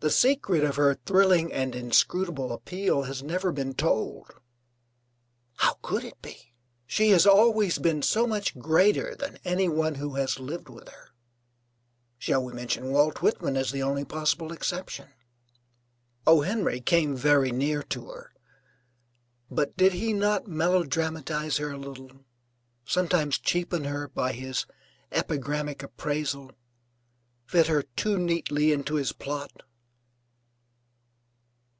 The secret of her thrilling and inscrutable appeal has never been told. How could it be? She has always been so much greater than any one who has lived with her. (Shall we mention Walt Whitman as the only possible exception? O. Henry came very near to her, but did he not melodramatize her a little, sometimes cheapen her by his epigrammatic appraisal, fit her too neatly into his plot?